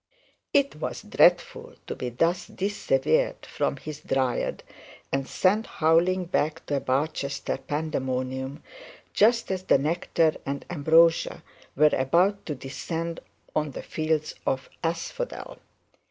It was dreadful to be thus dissevered from the dryad, and sent howling back to a Barchester pandemonium just as the nectar and ambrosia were about to descend on the fields of asphodel.